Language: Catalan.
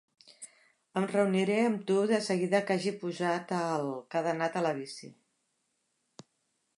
Em reuniré amb tu de seguida que hagi posat el cadenat a la bici.